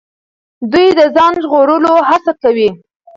دوی د ځان ژغورلو هڅه کوي.